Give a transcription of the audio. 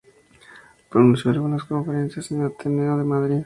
Pronunció algunas conferencias en el Ateneo de Madrid.